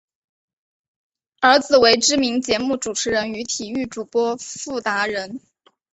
儿子为知名节目主持人与体育主播傅达仁。